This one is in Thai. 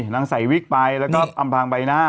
นางใส่วิกไปแล้วก็อำพางใบหน้า